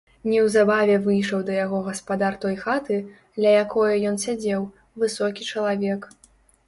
Неўзабаве выйшаў да яго гаспадар той хаты, ля якое ён сядзеў, высокі чалавек.